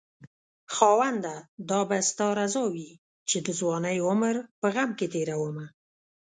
خاونده دا به ستا رضاوي چې دځوانۍ عمر په غم کې تيرومه